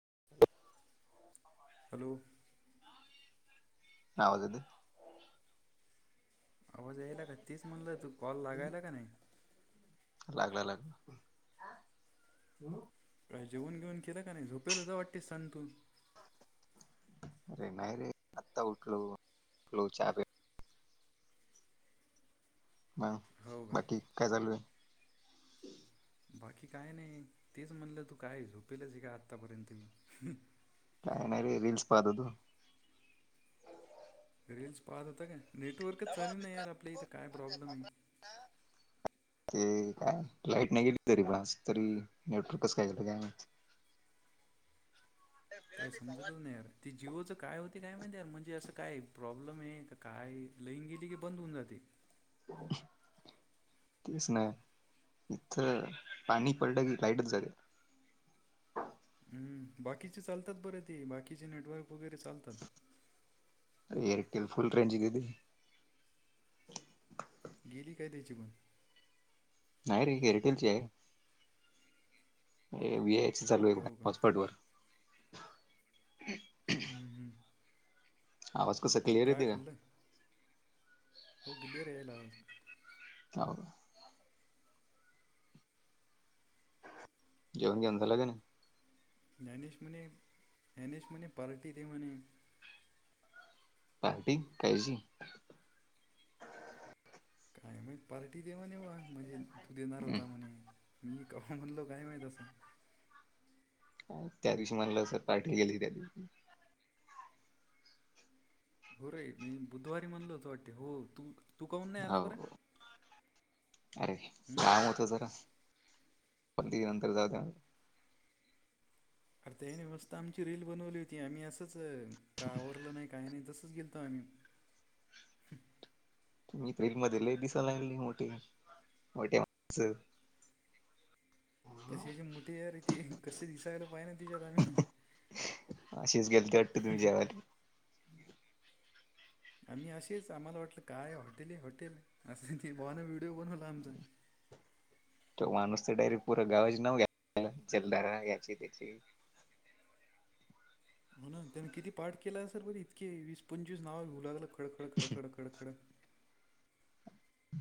[unintelligible] Hello हवजेत आवाज यायला का? तीच म्हणलं तू कॉल लागायला का नाही? लागला लागला. का जेवन घेऊन केलं का नाही झोपेल जा वाटतेस सर तुम्ही. अरे नाही रे आता उठलो चहा प्या. मगं हो का बाकी काय चालू आहे? बाकी काय नाही तेच म्हणलं तू काय झोपेलच आहे. का आत्तापर्यंत काय नाही रे रील्स पाहत होतो. रील्स पाहत होता. का नेटवर्कच चालेल ना यार आपल्या इथं काय प्रॉब्लेम आहे. ते काय लाईट नाही गेली तरी पण तरी नेटवर्कच कस काय गेलं काय माहिती काय समजतच नाही यार त्या जीवोचं काय होत. ते काय माहीत म्हणजे असं काय प्रॉब्लेम आहे. काय लाइन गेली की बंद होऊन जाते. हो, तेच नाही इथं पाणी पडलं की लाईटच जाते [inaudible] हम् बाकीचे चालतात बर ते बाकीचे नेटवर्क वगैरे चालतात. एअरटेल फुल रेंज गेली. गेली काय त्याची पण? नाही रे एरटेलची आहे. हे वी आय चालू आहे बघा हो का हॉटस्पॉट वर. हं हं. आवाज कसा क्लियर येतोय का? खाल्लं हो क्लिअर येईला आवाज. हाऊ. जेवन घेऊन झाला की नही? ह्यांनीच म्हणे ह्यांनीच म्हणे पार्टी दे म्हने. पार्टी? कायची? काय माहित? पार्टी दे म्हणे वाघ. म्हणजे तू देणार हम्म. होता म्हणे. मी कव्हा म्हणलो काय माहित असं? अं, त्या दिवशी म्हणाला असल पार्टी केली त्या दिवशी. हो रे मी बुधवारी म्हणलो होत वाटते. हो तू तू काऊन नाही आला हो बरं? अरे हं? काम होत जरा. पण ते नंतर जाऊ अरे तेहीनी मस्त आमची रील बनवली होती. आम्ही असंच काही आवरलं नाही काही नाही. तसच गेलतो आम्ही. तुम्ही त रिल मधी लय दिसलागली मोठी, मोठ्या माणसं कशीची मोठी आहे रि ती? कसे दिसायलो पाय ना. तिच्यात आम्ही अशीच गेल ते वाटत तुम्ही जेवाला. आम्ही असेच आम्हाला वाटल काय हॉटेल आहे हॉटेल असं. भावान व्हिडिओ बनवला आमचा. [inaudible] तो माणूस तर डायरेक्ट पुरे गावच नाव घ्यायला लागला. जलधारा याची त्याची. हो ना. त्याने किती पाठ केला असेल बर इतके वीस पंचवीस नाव घेऊ लागल खड खड खड खड खड खड.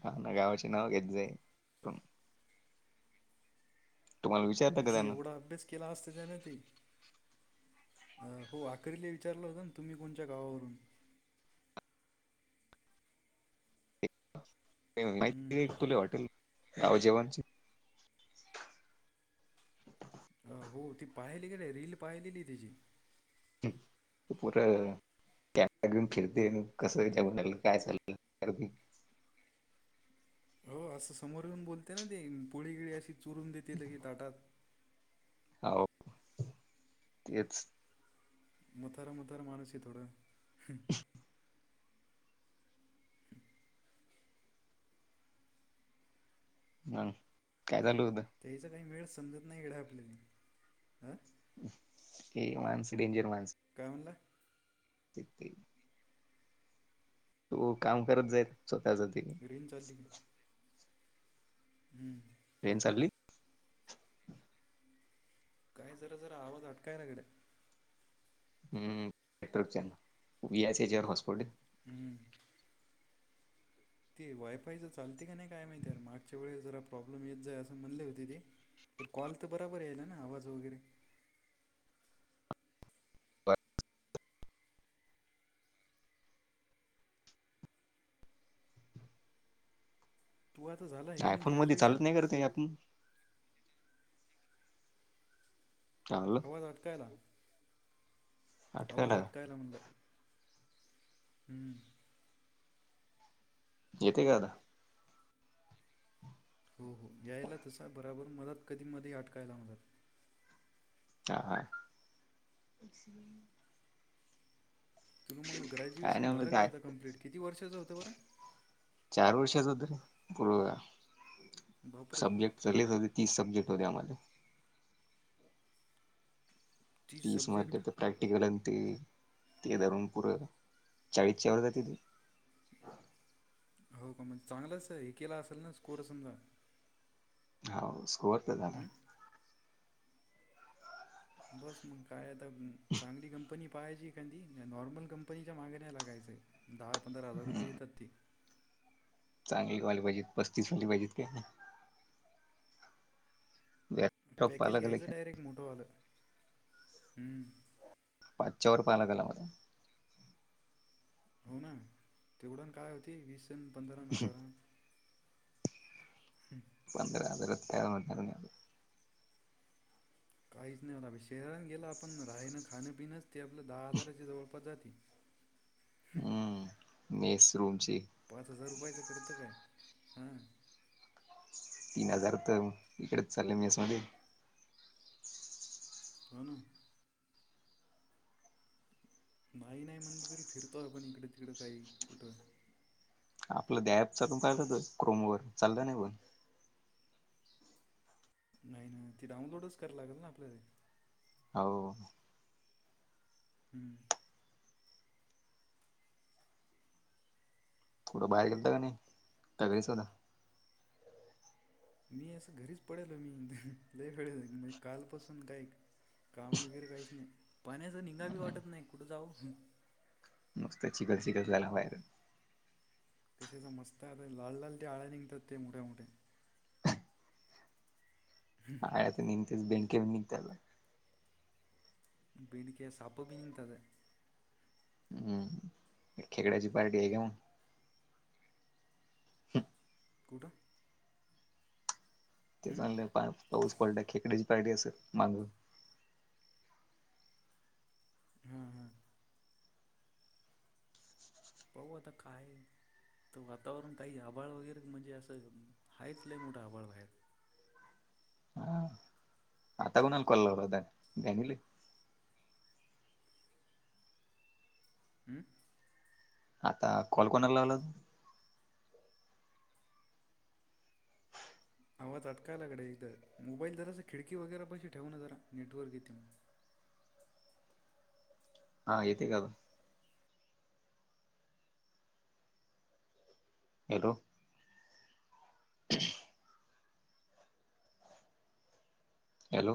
हा ना गावाचे नाव घेत जाईण, विचारलं का हे त्यानं? एवढा अभ्यास केला असता त्याने ते, अ हो आकरीला विचारलं होत ना, तुम्ही कोणच्या गावावरून? [inaudible] ते म्हणाले हम्म. माहिती नाही तूले हॉटेल? आव जेवान अं, हो ती पाहिली का नाही? रील पाहिलेली तिची. तु पुर टॅक्टर घेऊन फिरते. अन कसं त्याच्या मुला काय चालल विचारती. [inaudible] हो असं समोर घेऊन बोलते ना ती. पोळी बीळी अशी चुरून देती लगे ताटात. हाव तेच. म्हातारं म्हातारं माणूस आहे थोड. [inaudible] मंग काय चालू होत? त्याचा काही मेळ समजत नाही गड्या आपल्याले. अं? ते माणसं डेंजर माणसं. काय म्हणला? तेथे. तू काम करत जाईल स्वतःच तेनी. रेंज हं. ट्रेन चालली? काय जरा जरा आवाज अटकाय लागला. [unintelligible] हं. ते वायफायच चालते काय नाही काय माहिती यार मागच्या वेळेस जरा प्रॉब्लेम येत जाय असं म्हणले होते ते. बर कॉल तर बराबर यायला ना आवाज वगैरे. [unintelligible] तू आता झाला आहे की नाही आयफोन मध्ये ग्रॅज्युएशन चालत नाही का रे ते ॲप? चांगलं आवाज अटकायला, आवाज आठवायला अटकायला म्हणलं. हम्म. येते का आता? हो हो यायला तसा बराबर मला कधी मध्ये अटकायला मला. हा. तुला मला काय ग्रॅज्युएशन नाही झालं म्हणलं का काय आता कंप्लीट किती वर्षाच होतं बरं? होय, बापरे सब्जेक्ट सगळेच होते तीस सब्जेक्ट होते आम्हाला, तीस मारले तर प्रॅक्टिकल ते धरून पुर चाळीस च्या वर जाते ते. हो का म्हणजे चांगलंच हे केला असेल ना स्कोर समजा. हा स्कोअर तर झाला. हम्म? बस मग काय आता चांगली कंपनी पाहायची काय नाही. नॉर्मल कंपनीच्या मागे नाही लागायचंय. दहा पंधरा हजार रुपये देतात ते. चांगली वाली पाहिजेत पस्तीस वाली पाहिजेत काय? [unintelligible] पॅकेज पाहायला गेला घ्यायचं की डायरेक्ट मोठंवालं. हम्म, त्याच्यावर पाला का लावायलाय. हो ना तेवढण काय होते वीस अन् पंधरा हजारा न. पंधरा हजारात काय होणार आहे. काहीच नाही होणार. शहरात गेला आपण राहाणं खाणपिनच ते आपलं दहाजाराचे जवळपास जाते. हम्म. [inaudible] मेस, रूमची पाच हजार रुपयाचं करतं काय? हा. तीन हजार तर इकडेच चालले मेस मध्ये. हाऊ ना. नाही नाही म्हणत तरी फिरतोय पण इकडे तिकडं काही कुठं तुला द ॲप चालून पाहिलं त क्रोम वर चाललं नाही पण. नाही नाही ती डाउनलोडच कराय लागल ना आपल्याला. हाव. हम्म. [inaudible] थोडं बाहेर गेलता का नाही का घरीच होता? मी अस घरीच पडेलो मी लय पडेल कालपासून काही काम वगैरे काहीच नाही पाण्याचं निगाव बी वाटत नाही कुठं जाऊ? नुसत चीखल चीखल झाला भायेर कशाच मस्त आता लाल लाल त्या आळा्या निघतात ते मोठ्या मोठे हा आता निघतेच बेडके पण निघतात. बिड के साप बि निघत. हम्म खेकड्याची पार्टी आहे का मग? [inaudible] कुठं? ते हम्म? चांगल पा पाऊस पडला खेकडीची पार्टी असेल माग हम्म हम्म. पाहू आता काय? तर वातावरण काही आभाळ वगैरे म्हणजे असं हायच लय मोठा आभाळ बाहेर [inaudible] हा आता कोणाल कॉल लावला होता फॅमिली? हम्म आता कॉल कोणाला लावला तू? आवाज तटकायलाकडे एक तरर मोबाईल जरास खिडकी वगैरे पैशी ठेवून जरा नेटवर्क येेते [unintelligible] हा येते काता हॅलो [unintelligible] हॅलो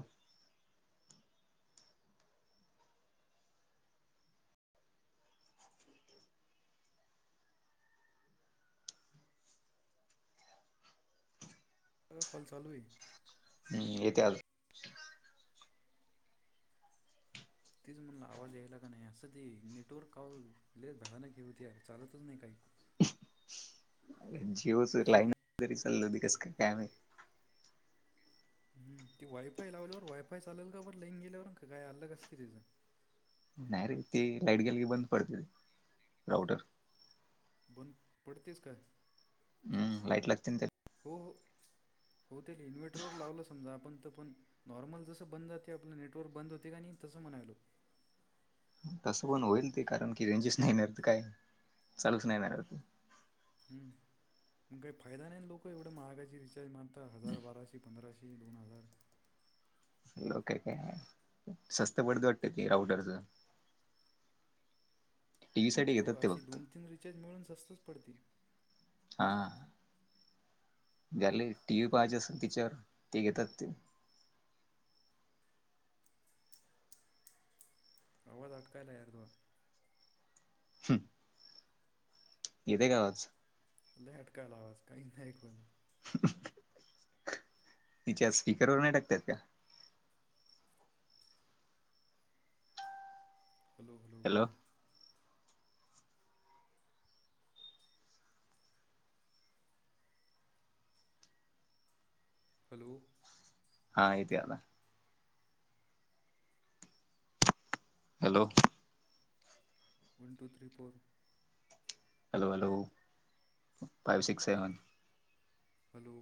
कॉल चालू आहे हम्म ये ते आज तीच मणला आवाज यायला का नाही असं त नेटवर्क कॉल [inaudible] होती यार चालतच नाही काही अ जिओच लाईन तरी चाललं हो कस काय चालली आहे काय माहिती हम् ती वायफाय लावल्यावर वायफाय चालेल का बर लईंग गेल्यावर का काय अलग असते तिचं नाही रे ते लाईट गेली की बंद पडते राऊटर बंद पडतेस का हम्म लाइईट लागते त्या हो हो ते इन्व्हर्टरवर लावलं समजा आपण तर पण नॉर्मल जसं बंद जाते आपलं नेटवर्क बंद होते का नाही तस म्हणाल तसं पण होईल ते कारण कि रेंजेस नाही मित काय चालूच नाही ना हम् मग काही फायदा नाही लोक एवढं महागाची रिचार्ज मारतात हजार बाराशे पंधराशे एक दोन हजार लो का काय स्स्त पडत वाटत ते राऊटरच [unintelligible] हो ते अशी फक्त दोन तीन रिचार्ज मिळून स्वस्तच पडती हा झाले टी व्ही पाहिजे असेल तिच्यावर ते घेतात ते आवाज अटकायला यार त येतय काय आवाज? अटकायला आवाज काही नाही कोण? तिच्या स्पीकरवरर नाही टाकता येत का? हॅलो हॅलो हा येतोय आता hello one two three four hello hello five six seven hello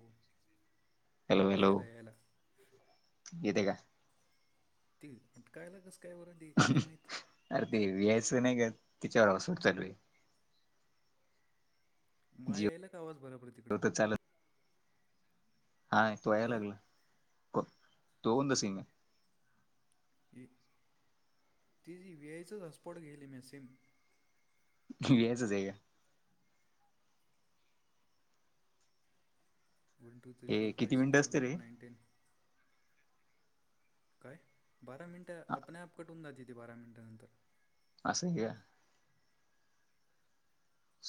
hello hello यायला यायला येते का ते अटकायला कस अरे ते वहायच नाही का तिच्यावर [unintelligible] माया जिओ यायला का आवाज बराबर आहे तिकडं. हाय तो याय हां लागला तो होन द सीम. ति वआयचच हसपॉट घेली मॅ सेम. वच जाय का. वन टू थ्री हे फोर फाईव किती मिनिटं सिक्स असते सेव्हन एट रे नाईन टेन. काय बारा मिनिटं आपणआप कटून जात ते बारा मिनिट नंतर. अससं का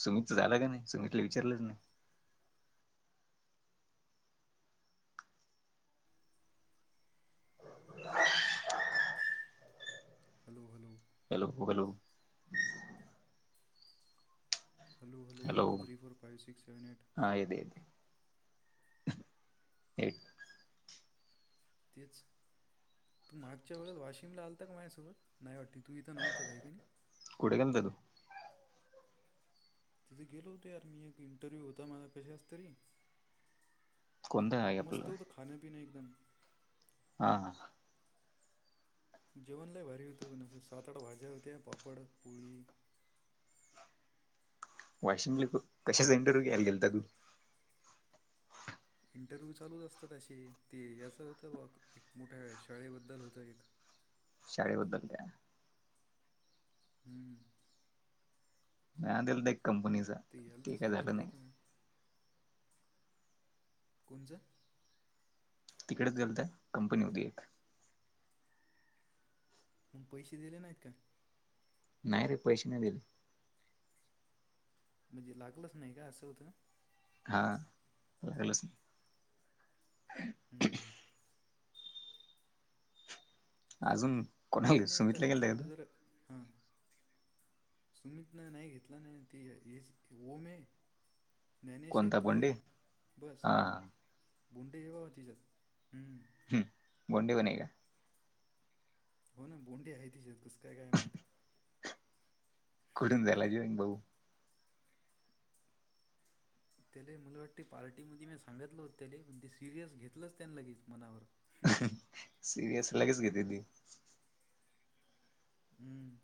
सुमित तर झालं का नाही सुमितला विचारलंच नाही hello hello hello hello hello hello one two three four five six seven eight हा येते येते [unintelligible] तेच तू मागच्या वेळेला वाशिमला आलता का माझ्यासोबत नाही वाटते तु इथं नव्हता कुठे गेलता तू [unintelligible] तिथे गेलो होत यार मी एक इंटरव्ह्यू होता माझा कशाचा तरी कोणता [unintelligible] आपल मस्त [unintelligible] एकदम हा जेवण लई भारी होत म्हणे सात आठ भाज्या होत्या पापड पूळी [inaudible] वाशिमले तू कशाचा इंटरव्ह्यू घ्यायला गेलता तू इंटरव्ह्यू चालूच असतात अशी ती याच होतं एक मोठ्या शाळेबद्दल होतं एक शाळेबद्दल त्या हम्म हा दिलथ एक कंपनीचा याला ते तर काय झालं सांगितलं नाही होतं ना कोणच तिकडेच गेलत कंपनी होती एक मग पैसे दिले नाहीत का नाही रे पैसे नाही दिले म्हणजे लागलच नाही का असं होतं हा [unintelligible] नाही हम्म नाही अजून तू काही [unintelligible] नाही सुमितलं येतं गेलंत का तुला तू जर हां सुमित न नाही घेतला ना ते [unintelligible] न्यानेश ये कोणता तू बोंडे आहे बस हा [unintelligible] हम् बोंडी ब नाही का हो ना बोंडे आहे तिच्यात कस [inaudible] [unintelligible] भाऊ त्याले मला वाटते पार्टी म मी सांगितलं होत त्याले पण ते सिरियस घेतलंच त्यानी लगेच मनावर सिरियस लगेच घेते ती हम्म